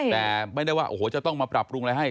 แต่ไม่ได้ว่าโอ้โหจะต้องมาปรับปรุงอะไรให้